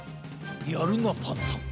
やるなパンタン。